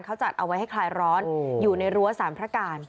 เขาจัดเอาไว้ให้คลายร้อนอยู่ในรั้วสารพระการ